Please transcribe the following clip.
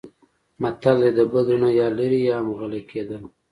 متل دی: د بدو نه یا لرې یا هم غلی کېدل.